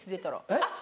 えっ？